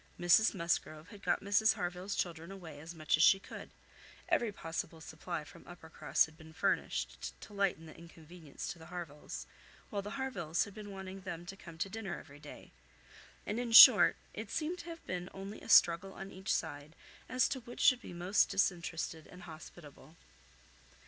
Mrs Musgrove had got Mrs Harville's children away as much as she could, every possible supply from Uppercross had been furnished, to lighten the inconvenience to the Harvilles, while the Harvilles had been wanting them to come to dinner every day; and in short, it seemed to have been only a struggle on each side as to which should be most disinterested and hospitable.